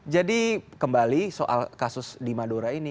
jadi kembali soal kasus di madura ini